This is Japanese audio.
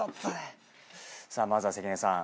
まずは関根さん